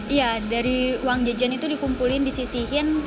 iya dari uang jajan itu dikumpulin disisihin